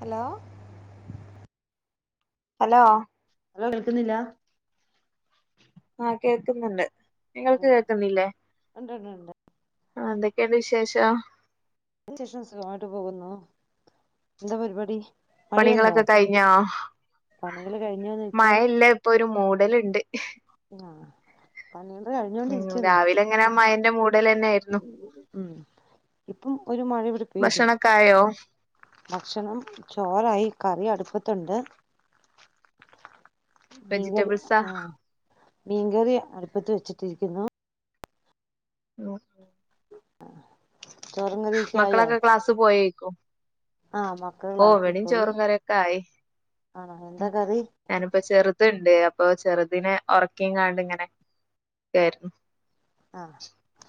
Hello, hello hello, കേൾക്കുന്നില്ല ആ, കേൾക്കുന്നുണ്ട് നിങ്ങൾക്ക് ഉണ്ട്ണ്ട് കേൾക്കന്നില്ലേ ഉണ്ട്ണ്ട്ണ്ട് ആ എന്തൊക്കെയുണ്ട് വിശേഷം [unintelligible] ശേഷം സുഖമായിട്ട് പോകുന്നു, എന്താ പരിപാടി മഴയുണ്ടോ പണികളൊക്കെ കഴിഞ്ഞോ, പണികൾ കഴിഞ്ഞോന്ന് മഴ വെച്ചാൽ ഇല്ല ഇപ്പൊ ഒരു മൂട ഇടലുണ്ട് ആ, പണീണ്ട് കഴിഞ്ഞോണ്ടിരിക്കുന്നു [unintelligible] ഉടലെതന്നെ ആായിരുന്നു ഉം ഇപ്പം ഒരു മഴ ഇവിടെ പെയ്തു ഭക്ഷണക്കായോ ഭക്ഷണം ചോറായി കറി അടുപ്പത്തുണ്ട് മീൻകറി വെജിറ്റബിൾസാ ആ മീൻകറി അടുപ്പത്ത് വെച്ചിട്ടിരിക്കുന്നു ഉം ചോറും കറിയൊക്കെ ആയോ മക്കളൊക്കെ ക്ലാസ് പോയി ആ [unintelligible] മക്കള് ഓ, ക്ലാസ്സിൽ ഇവിടയും പോയി ചോറും കറിയൊക്കെ ആയി ആണോ എന്താ കറി ഞാനിപ്പോ ചെറുതുണ്ട് ഇപ്പൊ ചെറുതിനിനെ ഉറക്കിങ്ങാണ്ടിങ്ങനെ ഇരിക്കെ ആയിരുന്നു. ആ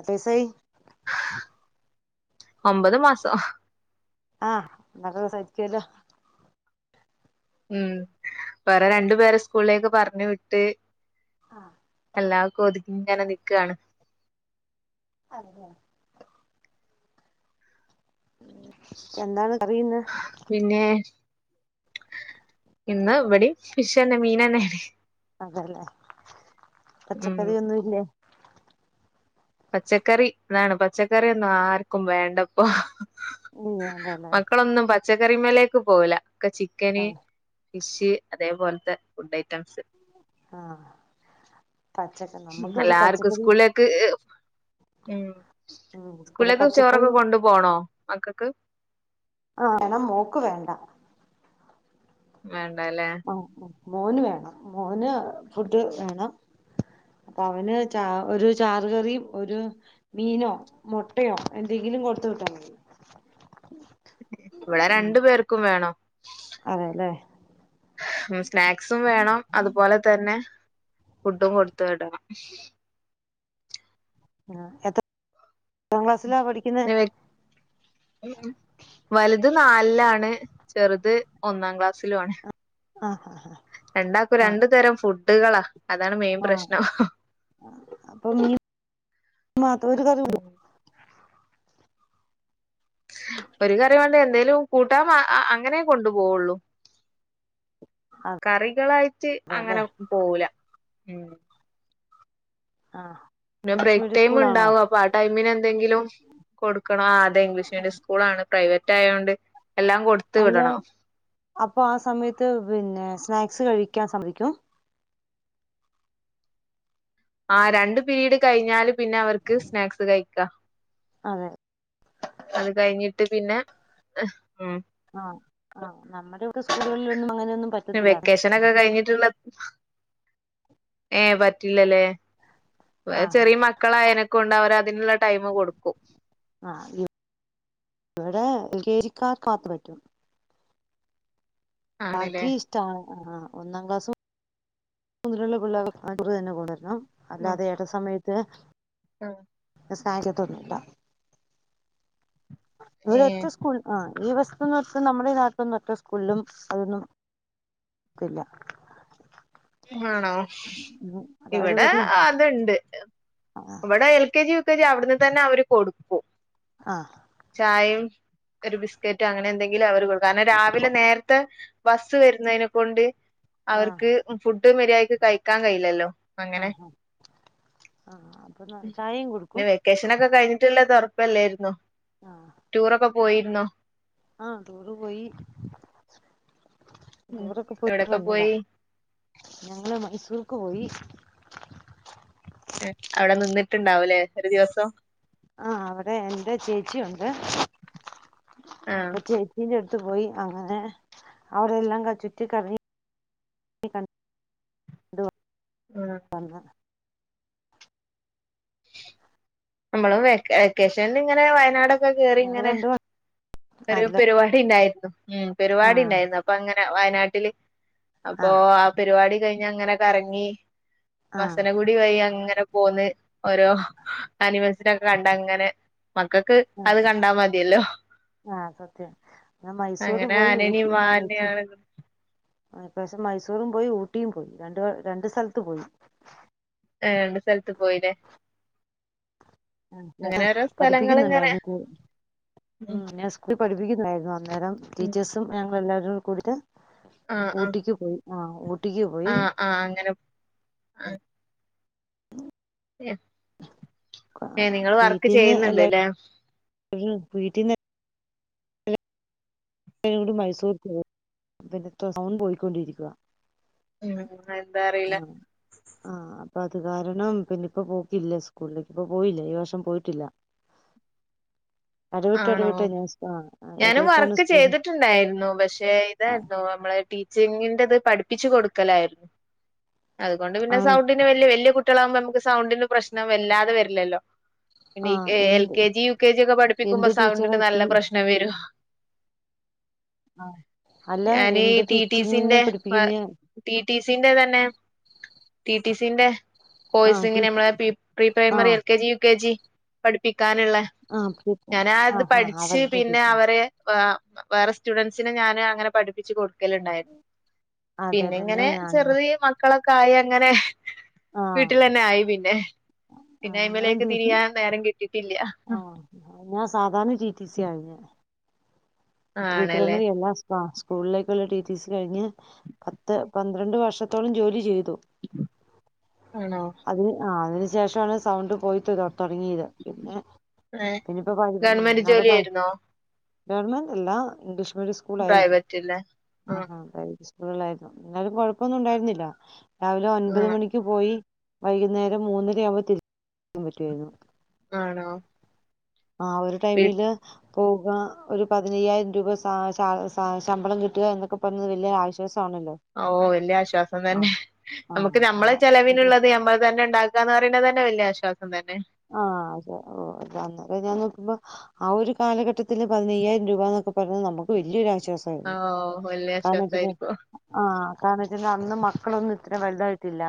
പൈസ ഒമ്പത് മാസം ആ, എന്തൊക്കെ [unintelligible] വേറെ രണ്ടുപേരെ സ്കൂളിലേക്ക് പറഞ്ഞു വിട്ട് ആഹ് എല്ലാതും ഒതുക്കി ഇങ്ങനെ നിക്കുവാണ് അതെ എന്താണ് കറിയിന്ന് പിന്നെ ഇന്ന് ഇവിടെം ഫിഷ് തന്നെ മീൻ തന്നെ അതെല്ലേ ഉം പച്ചക്കറി ഒന്നും ഇല്ലേ പച്ചക്കറി അതാണ് പച്ചക്കറി ഒന്നും ആർക്കും വേണ്ടപ്പോ മ്മ് വേണ്ടാല്ലേ പച്ചക്കറി മേലേക്ക് പോവില്ല ഒക്കെ ചിക്കന് ഫിഷ് അതേപോലത്തെ ഫുഡായിരിക്കും ഐറ്റംസ് ആ പച്ചക്ക നമ്മുക്ക് ഇവിടെ എല്ലാർക്കും പച്ചക്കറി സ്കൂലേക്ക് മ്മ് ഉം ഇവിടെ സ്കൂളിലൊക്കെ പച്ചക്കറി ചോറൊക്കെ കൊണ്ടു പോണോ മക്കൾക്ക് ആഹ് വേണം മോൾക്ക് വേണ്ട വേ ണ്ടല്ലേ ആ മോന് വേണം മോന് ഫുഡ് വേണം അപ്പൊ അവന് ചാ ഒരു ചാറ് കറിയും ഒരു മീനോ മുട്ടയോ എന്തെങ്കിലും കൊടുത്ത വിട്ടാൽ മതി ഇവിടെ ഉം രണ്ടു പേർക്കും വേണം അതെല്ലേ [unintelligible] സ്നാക്സും വേണം അതുപോലെ തന്നെ ഫുഡും കൊടുത്തു വിടാ ആഹ് എ വലുത് നാലിലാണ് ചെറുത് ഒന്നാം ക്ലാസ്സിലും ആണ് ആഹ് രണ്ടാക്കും രണ്ടു തരം ഫുഡ് ഡുകളാ ആഹ് അപ്പൊ [inaudible] ഒരു കറി ഒരു കറി വേണ്ടേ എന്തേലും കൂട്ടാൻ വേ അങ്ങനെ കൊണ്ടു പോവുള്ളു കറികളായിട്ട് അങ്ങനെ അതെല്ലേ പോവൂല ഉം ആഹ പിന്നെ ബ്രേക്ക് ടൈം ഉണ്ടാവും അപ്പൊ ആ ടൈമിന് എന്തെങ്കിലും കൊടുക്കണോ ആദ്യെ ഇംഗ്ലീഷ് മീഡിയം സ്കൂളാണ് പ്രൈവറ്റ് ആയോണ്ട് എല്ലാം കൊടുത്ത് അല്ല വിടണം അപ്പൊ ആ സമയത്ത് പിന്നെ സ്നാക്സ് കഴിക്ക ഴിക്കാൻ സമ്മതിക്കോ ആ രണ്ട പിീരീഡ് കഴിഞ്ഞാല് പിന്നെ അവർക്ക് സ്നാക്സ് കഴിക്കാം അതെ അത് കഴിഞ്ഞിട്ട് ട്ട്പിന്നെ ആഹ ആ നമ്മ ഇപ്പ വെക്കേഷൻക്കെ കഴിഞ്ഞിട്ടുള്ള ഏ പറ്റില്ലല്ലേ വ ആഹ് ചെറിയ മക്കളായനൊക്കെ കൊണ്ട് അവര് അതിനുള്ള ടൈമ കൊടുക്കും കേരിക്കാർ കാത്തുപറ്റും ആണ്ല്ലേ ബാക്കി ഇഷ്ടാ ആ് ഒന്നാം ക്ലാസ് മുതലുള്ള പിള്ളേർക്ക് അവര് തന്നെ കൊടുക്കും അല്ല അതെ എട സമയത്ത് അ ആഹ സഹായിക്കത്തൊന്നുംില്ല ഇവിടെ ഏ ഒറ്റ സ്കൂൾ ആ ഈ വസ്തുന്ന് നമ്മുടെഈ നാട്ടിൽന്ന്ഒറ്റസ്കൂളും അതൊന്നുംല്ല ആണോ അതവര് ഇവിടെ പറയും അതുണ്ട് ഇവിടെ L K G U K G പ്പേരിഅവിടുന്ന് തന്നെ അവര് കൊടുക്കും ആഹ് ചായ ഒരു ബിസ്ക്കറ്റ് അങ്ങനെ എന്തെങ്കില അവര് കൊ കാരണം രാവിലെ നേരത്തെ ബസ് വരുന്നതിനെ കൊണ്ട് ആഹ് അവർക്ക് ഫുഡ് മര്യായിക്ക് കഴിക്കാൻ കഴയില്ലോ ആഹ ആ ആഹ അപ്പൊ ചായയും കൊടുക്കും ട്ടുള്ള തറപ്പല്ലായിരുന്നുോ ടൂറൊക്കെ പോയി ന്നോ ആഹ ടൂറ്പോയി ഉം ദൂരൊക്കെ പോയിട്ടു എവിടൊക്കെ പോയി വന്നതാഞങ്ങള് മൈസൂർക്ക് പോയി അവിടെ നിന്നിട്ടുണ്ടാവൂലേയൊരു ദിവസം ആ... അവിടെയെന്റെ ചേച്ചിയുണ്ട്. ആഹ് അപ്പചേച്ചീടെ അടുത്ത് അടുത്തുപോയി അങ്ങനെ അവിടെല്ലാം കണ്ടിട്ട് കറങ്ങി, ചുറ്റിക്കണ്ടു ആഹ് പറ [inaudible] നമ്മളും വെക്കേഷനിലി ങ്ങനെവയനാട് ഞങ്ങൾ ചുരംകേറിയിങ്ങനെ രണ്ട് അതില് ഒരുപരുപാടിയുണ്ടായിരുന്നു. ആഹ് ഉംപരിപാടിയുണ്ടായിരുന്നു, അപ്പൊഅങ്ങനെ വയനാട്ടില് ആഹ് അപ്പോആപരിപാടി കഴിഞ്ഞങ്ങനെ കറങ്ങി ആഹ് വസനഗുടി വഴിയങ്ങനെ പോന്നോരോ ആനിമേൽ ചുരംകണ്ടങ്ങനെ മക്കൾക്കതുകണ്ടാ മതിയല്ലോ അ.. അതെ ഞാൻ മൈസൂർ അങ്ങനെ പോയി, ആനേനിം ഊട്ടി, മൈസൂര് മാനെയാണ് ഈ പ്രാവശ്യം മൈസൂറും പോയി. ഊട്ടിയുംപോയി ര ണ്ട്‌, രണ്ടുസ്ഥലത്ത് പോയി. ആഹ്, ണ്ട്സ്ഥലത്തു പോയില്ലേ അഹ് അങ്ങനെ അഹ് ഓരോ സ്ഥലങ്ങള് ഇങ്ങനെ പഠിപ്പിക്കുന്നുണ്ടായിരുന്നു കൂ ഉം ഞാ സ്കൂളി പഠി പ്പിക്കുന്നുണ്ടായിരുന്നോ? ന്നേരം ഉം ടീച്ചേഴ്സും, ങ്ങളെല്ലാരു കൊഴുത്ത് ആഹ് ആഹ് ഊട്ടിക്കുപോയി ആഹ് ഊട്ടിക്കുപോയി. ആഹ് ആഹ് അങ്ങനെ [unintelligible] ഏഹ് [unintelligible] നിങ്ങള് വർക്ക് വിട്ടിന്ന് എല്ല ചെയ്യുന്നുണ്ട്ല്ലേ വീട്ടീന്ന് കുട്ടികളെയും കൂടി മൈസൂർക്ക്പോയി പിന്നെ സമയം പോയിക്കൊണ്ടിരിക്കുവാ ഉം എന്താ അറിയില്ല അതുകാരണം പിന്നെ ഇപ്പംപോക്കില്ല സ്കൂളിലെ ഇപ്പം പോയില്ല ഈ വർഷം പോയിട്ടില്ല. ഇടവിട്ടെടവിട്ട് ഞാൻ സ്കൂ ആ ഇടവിട്ടാണ് സ്കൂൾ ഞാനുംവർക്കു- ഉണ്ടായിരുന്നു പക്ഷെ ഇതായിരുന്നു നമ്മളെ ടീച്ചിങ്ങിന്റെ പഠിപ്പിച്ചു കൊടുക്കലായിരുന്നു അതുകൊണ്ട് പിന്നെ ആണ് സൗണ്ടിന് വലിയ വലിയ കുട്ടികലാകുമ്പോൾ നമ്മക് സൗണ്ടിന് പ്രശ്നം വല്ലാതെ വരില്ലല്ലോ ആ പിന്നെ എൽ എന്ത് K G U K G ഒക്കെ പഠിപ്പിക്കുമ്പോ എന്ത് സൗണ്ടിന് ടീച്ചറെ നല്ല പ്രശ്ന [unintelligible] ആ അല്ല ഞാനീ എന്ത് ടിടി സിന്റെ ടീച്ചിങ്ങിനെ പഠിപ്പിക്കുന്ന ടിടി സിന്റെ തന്നെ ടി ടി സിന്റെ ആ കോഴ്സിങ്ങ്ന് ടീ നമ്മളെ പീപ് പ്രീ ആ primary, L K G, U K G പഠിപ്പി ക്കാന്ള്ളെ ആ ആ ഞാനാത് ആ പഠിച്ച് അവരുടെ പിന്നെ ടീച്ചർ അവരെ ആഹ് മാ വേറെ സ്റ്റുഡന്റ്സിന് ഞാന് അങ്ങനെ പഠിപ്പിച്ച് കൊട് ക്കല്ണ്ടായി പിന്നെ അതെല്ലേ ഇങ്ങനെ ഞാൻ ഞാൻ ചെറിയ മക്കളൊ ക്കായ് അങ്ങനെ ആ വീട്ടിലന്നെ ആയി പിന്നെ പിന്നെ അയിമലേക്ക് തിരിയാ നേരം കിട്ടി ആഹ് ഞാ ഞാൻ സാധാണ ടി ടി സിയാര്ന്നെ അ ആണല്ലേ പ്രൈമറി എല്ലാംാം സ്കൂളിലേക്കുള്ള ടീച്ചീഴ്സ് കഴിഞ്ഞ് പത്ത് പന്ത്രണ്ട് വർഷത്തോളം ജോലി ചെയ്തു ആണോ അതിന് ആ അ ശേഷമാണ് സൗണ്ട് പോയിത്തോക്ർ തുടങ്ങിയത് പിന്നെ ഏ പിന്നെപ്പോ പ ഗവൺമെന്റ് എന്നട പ ജോലിയായിരുന്നോ ജർമൻ അല്ല ഇംഗ്ലീഷ് സ്കൂൾ ആയിരിക്കും പ്രൈവറ്റ്ല്ലേ ആ അതാ ചോദിച്ചേ ഉണ്ടായിരുന്നു എന്നാലും കൊഴപ്പൊന്നും ഉണ്ടായിരുന്നില്ല രാവിലെ ആ ഒൻപത് മണിക്ക് പോയി വൈകുന്നേരം മൂന്നര ആവുമ്പോൾ തിരിച്ചാൻ പറ്റുവായിരുന്നു ആണോ ആ ഒരു വീ ടൈമില് പോുക ഒരു പതിനയ്യായിരം രൂപ ശമ്പളം കിട്ടുക എന്നൊക്കെ പറഞ്ഞത് വലിയ ആശ്വാസ ഓ വലിയ ആശ്വാസം തന്നെ ആ നമുക്ക് നമ്മളെ ആ ചെലവിനുള്ളത് അതന്നെ ഇണ്ടാക്ക എന്ന് പറയുന്നത് തന്നെ വല്ല്യ ആശ്വാസ ആഹ് അത് ശ ഓ [unintelligible] നിക്കുമ്പോ ആ ഒരു കാലഘട്ടത്തില് പതിനയ്യായിരം രൂപ എന്നൊക്കെ പറഞ്ഞ നമുക്ക് വല്ല്യരു ആശ്വാ ഓ ശ്വാസായിരുന്നു വല്യ കാരണംച്ച്ഴിഞ്ഞാ ആശ്വാസായിരിക്കും ആ കാരണന്നെച്ച്അന്നും മക്കളൊന്നും ഇത്ര വലുതായിട്ടില്ല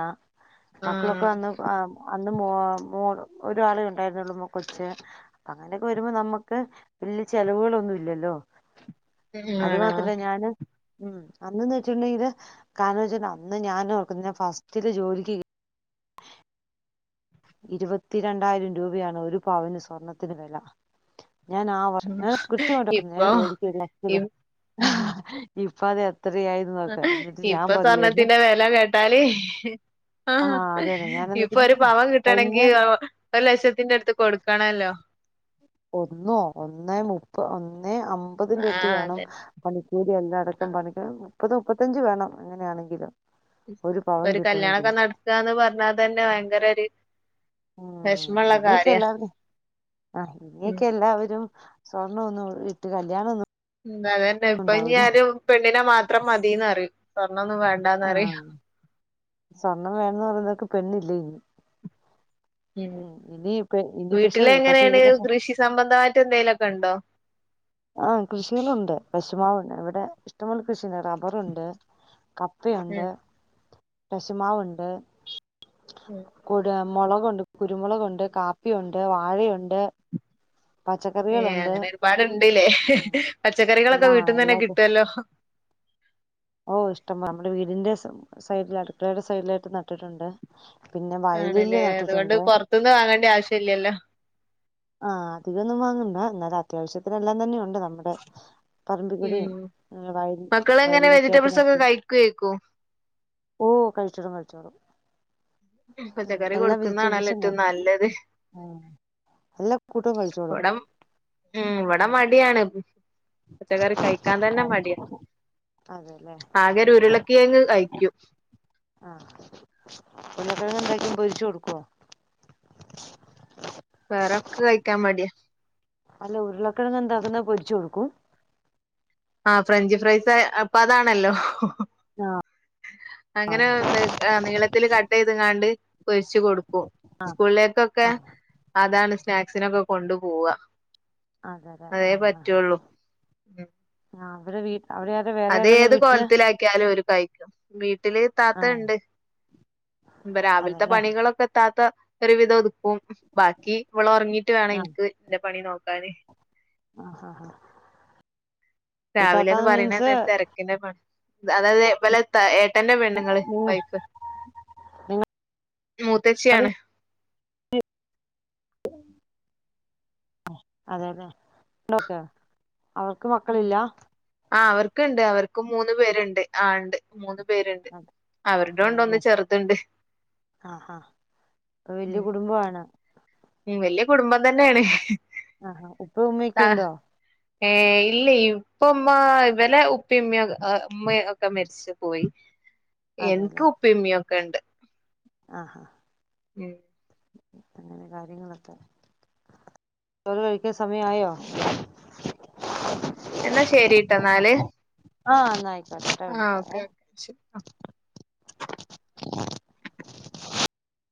ആ മക്കളൊക്കെ അന്ന് ആ അ ന്ന് മോ മോള് ഒരാളെ ഉണ്ടായിരുന്നുള്ളു മൊ കൊച്ച് അങ്ങനെക്കെ വരുമ്പോ നമ്മുക്ക് വല്യ ചെലവുകളൊന്നും ഇല്ലല്ലോ അത് ആണോ മാത്രല്ലേ ഞാന് ഉം അന്ന്ന്ന് വെച്ചിട്ടുണ്ടെങ്കില് കാരണം വച്ച അന്ന് ഞാനും ഓർക്കുന്ന് ഞാ ഫസ്റ്റില് ജോലിക്ക് കേ ഇരുപത്തിരണ്ടായിരം രൂപയാണ് ഒരു പവന് സ്വർണ്ണത്തിന് വെല ഞാൻ ആ വർഷം ഉം. ഞാൻ കൃത്യമായിട്ട് ഓർക്കുന്നു ഇപ്പൊ ഞാൻ ജോലിക്ക് കേറി ഇ- [unintelligible] ഇപ്പൊ അതെ ഇപ്പൊ സ്വർണത്തിന്റെ വെല കേട്ടാല് എ് ആ അത് തന്നെ ഞാൻ എന്നിട്ട് ഇപ്പൊ ഒരു പവൻ കിട്ട കഴിഞ്ഞ ട്ടണെങ്കി അവഒരു ലക്ഷത്തിന്റെ അടുത്ത് കൊടു ക്കണല്ലോ ഒന്നോ ഒന്നേ മുപ്പ ഒന്ന് ന്നേഅമ്പതിന്റെ ആ അടുത്ത് വേണം അതന്നെ പണിക്കൂലി എല്ലാം ആ അടക്കം പണിക്കൂ മുപ്പത് മുപ്പത്തഞ്ച് വേണം എങ്ങനെയാണെങ്കിലും ഒരു കല്ല്യാണൊക്കെ നടക്കാന്ന് പറഞ്ഞാ തന്നെ ഭയങ്കര ഒരു ഉം വെഷമള്ള ഇനിയൊക്കെ കാര്യ എല്ലാർക്കും ആ ഉം ഇനിയൊക്കെ എല്ലാവരും സ്വർണ്ണം ഒന്നും ഇട്ട് കല്യാണൊന്നും ഉം അതന്നെ ഇപ്പൊ ഞി ആരും പെണ്ണിനെ മാത്രം മതീന്നറയും ആഹ് സ്വർണം വേണംന്ന് പറയുന്നോർക്ക് പെണ്ണി ല്ലേനിം ഉം പക്ഷെ വീട്ടിലെങ്ങനാണ് ഇനി പക്ഷെ കൃഷി സംബന്ധായിട്ട് എന്തെലൊക്കെ ഇണ്ടോ ആഹ് കൃഷികളുണ്ട് പക്ഷ റ്റ്മാവണ്ട് ഇവിടെ ഇഷ്ടമ്പോലെ കൃഷിണ്ട് റബ്ബറുണ്ട് ക പ്പയുണ്ട് ഉം കശുമാവുണ്ട് ഉം കുട്യാ മൊളകുണ്ട് കുരുമുളകുണ്ട് കാപ്പിയുണ്ട് വാഴയുണ്ട് ഏ അങ്ങനെ ഒരുപാട്ണ്ട്ല്ലേ അല്ലാ എല്ലാക്കും കിട്ടുവല്ലോ ഓ ഇഷ്ടം നമ്മുടെ വീടിന്റെ സൈഡിൽ അടുക്കളടെ സൈഡിലായിട്ട് നട്ടിട്ടുണ്ട് പിന്നെ വയലില് ആണല്ലേ അതുകൊണ്ട് നട്ടിട്ടുണ്ട് പൊറത്തുന്ന് വാങ്ങേണ്ട ആവശ്യല്ലല്ലോ ആ അധികൊന്നും വാങ്ങണ്ട എന്ന അത്യാവശ്യത്തിന എല്ലാം തന്നെ ഒൺ ട് നമ്മുടെ പറമ്പി കൂടെം ഉം വയ മക്കളെങ്ങനെ വയലിലൊക്കെ ആയിട്ട് വെജിറ്റബിൾസ് ഒക്കെ നട്ട കഴിക്കുവേക്കും ഓ കഴിച്ചോടും കഴിച്ചോടും ഉ പച്ചക്കറി എല്ലാ കൊടുക്കുന്നതാണല്ലോ വെജിറ്റബിൾസും ഏറ്റവും നല്ലത് എല്ലാ കൂട്ടോ കഴിച്ചോളും ടെ മടിയാണ് പച്ചക്കറി കഴിക്കാൻ തന്നെ മടിയാ അതെല്ലേ ആകെരു ഉരുളക്കിയങ്ങ് കഴിക്കും ആഹ് ഉരുളക്കിഴങ്ങ് എന്താക്കും പൊരിച്ചു കൊടുക്കുവോ വേറൊക്കെ കഴിക്കാൻ മടിയാ അല്ല ഉരുളക്കെഴണ എന്താക്കുന്ന പൊ ചൊട്ക്കും ആ ഫ്രഞ്ച് ഫ്രൈസ് അപ്പൊ അതാണല്ലോ ആ അങ്ങനെ അ നീളത്തില് കട്ട് ചെയ്ത്ങ്ങാണ്ട് പൊരിച്ച് കൊടുക്കും സ്കൂളിലേക്കൊക്കെ ആ അതാണ് സ്നാക്സിനൊക്കെ കൊണ്ടു പോവ അതെതേ അതേ ആഹ് ആഹ് ആഹ് പറ്റുള്ളൂ ഉം ആ അവര വീ അവിടെ ആരാ വേറെ അത് ആരുള്ള ഏത് വീട്ടില് കോലത്തിലാക്കിയാലും ഒരു കഴിക്കും വീട്ടില് ആ താത്ത ഇണ്ട് ഇപ്പൊ രാവിൽത്തെ അതെല്ലേ പണികളൊക്കെ ഇത്താത്ത ക്കൊരുവിതം ഉതുക്കും ബാക്കി ഇവളൊറങ്ങീട്ട് വേണം എനിക്ക് ഇന്റെ പണി നോ കാന് ആഹ് ആഹ് ആഹ് രാവിലന്ന് പറയണ തിരക്കിന്റെ അതതെ വല്ല ഏ ട്ടന്റെ പെണ്ണുങ്ങള് നിങ്ങ വൈഫ് നിങ്ങ മൂത്തച്ചിയാണ് അതെലേ അവർക്ക് മക്കളില്ല ക്കിണ്ട് അവർക്ക് മൂന്ന് പേരിണ്ട് ആണ്ട് മൂന്ന് പേരുണ്ട് അവരുടെ ഉണ്ട് ഒന്ന് അതല്ലേ ചെറുതുണ്ട് ആഹ് ഹ വല്ല്യ ഉം കുടുംബമാണ വല്യ കുടുംബം തന്നെണ് ആഹാ ഉപ്പ ഉമ്മയൊക്കെയുണ്ടോ ഏഹ് ഇല്ല ഇപ്പം ഉമ്മ ഇവലെ പ്പേം ഉമ്മേം ഒക്കെ മരിച്ച് പോയി എന്ക്ക് ഉപ്പേമ്മ്യ ക്കണ്ട് ആഹ് ഹാ അങ്ങനെ കാര്യങ്ങളൊക്കെ ചോറ് കഴിക്കാൻ സമയായോ എന്നാ ആഹ് ങ്ങായി ആഹ് ഓക്കെ ഓക്കെ ശരി [inaudible]